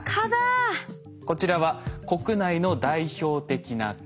こちらは国内の代表的な蚊。